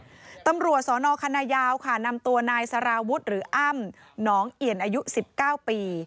ตำรวจสนคณะยาวค่ะนำตัวนายสารวุฒิหรืออ้ำหนองเอียนอายุ๑๙ปี